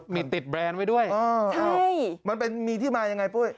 มีติดแบรนด์ไว้ด้วยมันเป็นมีที่มายังไงปุ้ย